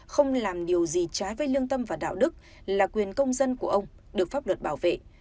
không làm điều gì trái với lương tâm và đạo đức là quyền công dân của ông được pháp luật bảo vệ